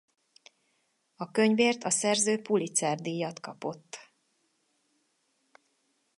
A könyvért a szerző Pulitzer-díjat kapott.